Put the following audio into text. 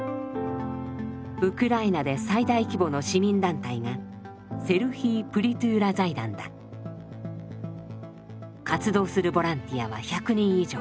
ウクライナで最大規模の市民団体が活動するボランティアは１００人以上。